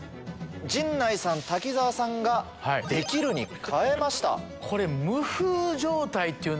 陣内さん滝沢さんが「できる」に変えました。